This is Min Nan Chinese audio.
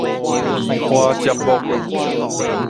移花接木